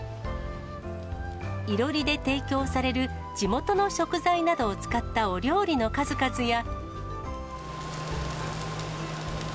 いろりで提供される、地元の食材などを使ったお料理の数々や。